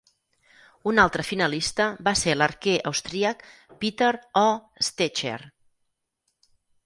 Un altre finalista va ser l'arquer austríac Peter O. Stecher.